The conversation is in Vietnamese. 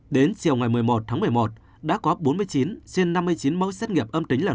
đến chiều ngày một mươi một tháng một mươi một đã có bốn mươi chín trên năm mươi chín mẫu xét nghiệm âm tính lần